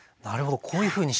こういうふうにして。